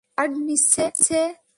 Card নিচ্ছে না।